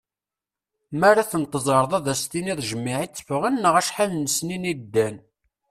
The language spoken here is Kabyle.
Mi ara ten-teẓreḍ ad as-tiniḍ jmiɛ i tteffɣen neɣ acḥal n lesnin i ddan.